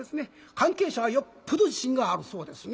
関係者はよっぽど自信があるそうですね。